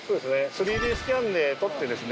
３Ｄスキャンで撮ってですね